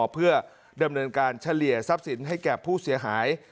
เพื่อดำเนินการเฉลี่ยทรัพย์สินให้แก่ผู้เสียหาย